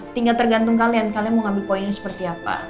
tinggal tergantung kalian kalian mau ngambil poinnya seperti apa